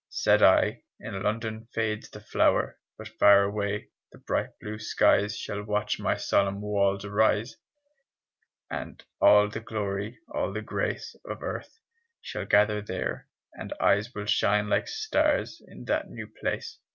Said I: "In London fades the flower; But far away the bright blue skies Shall watch my solemn walls arise, And all the glory, all the grace Of earth shall gather there, and eyes Will shine like stars in that new place."